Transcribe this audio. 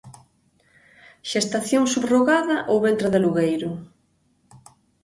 Xestación subrogada ou ventre de alugueiro?